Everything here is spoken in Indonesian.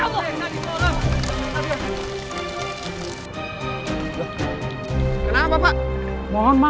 biar nggak ada gua ortheon dua